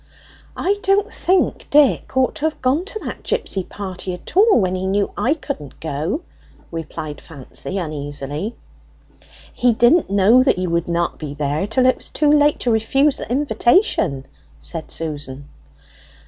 "I don't think Dick ought to have gone to that gipsy party at all when he knew I couldn't go," replied Fancy uneasily. "He didn't know that you would not be there till it was too late to refuse the invitation," said Susan.